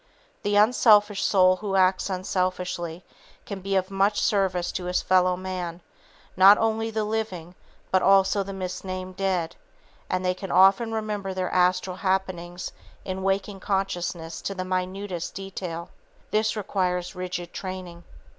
The unselfish soul who acts unselfishly can be of much service to his fellow man, not only the living but also the misnamed dead, and they can often remember their astral happenings in waking consciousness to the minutest detail. This requires rigid training.